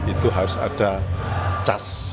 itu harus ada cas